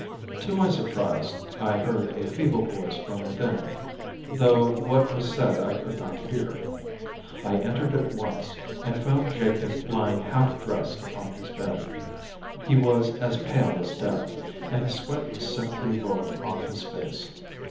To my surprise, I heard a feeble voice from within, though what was said I could not hear. I entered at once, and found Jacob lying half dressed upon his bed. He was as pale as death, and the sweat was simply rolling off his face.